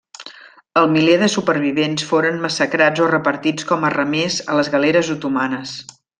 El miler de supervivents foren massacrats o repartits com a remers a les galeres otomanes.